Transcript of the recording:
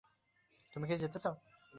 তুমি কি যেতে চাও?